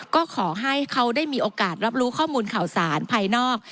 ก็ขอให้เขาได้มีโอกาสรับรู้ข้อมูลข่าวสารภายนอก